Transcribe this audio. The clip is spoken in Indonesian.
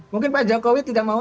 mungkin pak jokowi tidak mau